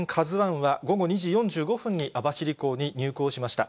ＫＡＺＵＩは、午後２時４５分に網走港に入港しました。